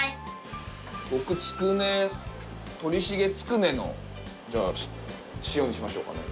僕つくね鳥茂つくねのじゃあシオにしましょうかね。